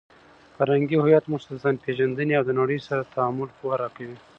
فرهنګي هویت موږ ته د ځانپېژندنې او د نړۍ سره د تعامل پوهه راکوي.